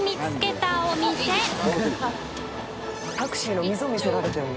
次タクシーの溝見せられても。